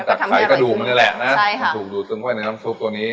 จากไข่กระดูกมันเลยแหละนะใช่ค่ะมันถูกดูดจึงไว้ในน้ำซุปตัวนี้